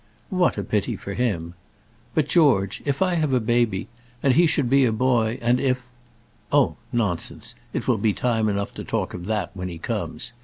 "What a pity for him. But, George, if I have a baby, and if he should be a boy, and if " "Oh, nonsense; it will be time enough to talk of that when he comes.